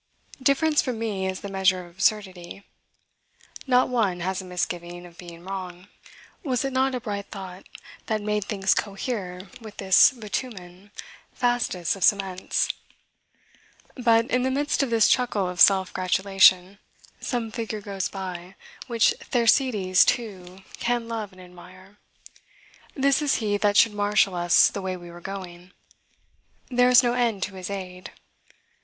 Difference from me is the measure of absurdity. Not one has a misgiving of being wrong. Was it not a bright thought that made things cohere with this bitumen, fastest of cements? But, in the midst of this chuckle of self gratulation, some figure goes by, which Thersites too can love and admire. This is he that should marshal us the way we were going. There is no end to his aid.